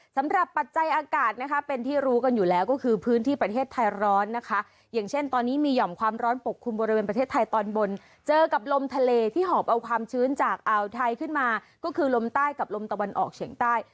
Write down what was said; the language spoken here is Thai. ปัจจัยอากาศนะคะเป็นที่รู้กันอยู่แล้วก็คือพื้นที่ประเทศไทยร้อนนะคะอย่างเช่นตอนนี้มีห่อมความร้อนปกคลุมบริเวณประเทศไทยตอนบนเจอกับลมทะเลที่หอบเอาความชื้นจากอ่าวไทยขึ้นมาก็คือลมใต้กับลมตะวันออกเฉียงใต้